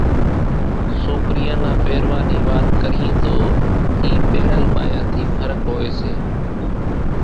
سوڪريان نا پيرواۿ نِي وات ڪريئين تو اِي پيڻل ٻايان ٿِي ڦرق هوئيَ سي۔